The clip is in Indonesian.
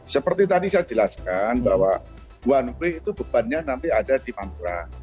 seperti tadi saya jelaskan bahwa one way itu bebannya nanti ada di pantura